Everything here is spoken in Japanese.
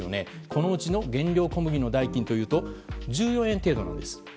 このうちの原料小麦の代金はというと１４円程度なんです。